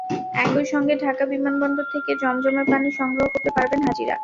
একই সঙ্গে ঢাকা বিমানবন্দর থেকে জমজমের পানি সংগ্রহ করতে পারবেন হাজিরা।